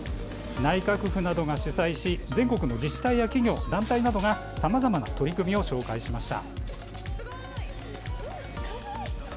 内閣府などが主催し全国の自治体や企業、団体などがさまざまな取り組みを紹介しました。